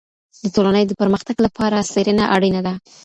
د ټولني د پرمختګ لپاره څېړنه اړینه ده.